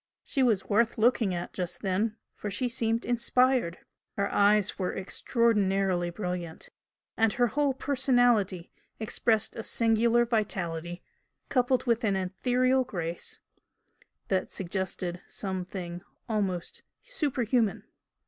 She was worth looking at just then, for she seemed inspired. Her eyes were extraordinarily brilliant, and her whole personality expressed a singular vitality coupled with an ethereal grace that suggested some thing almost superhuman.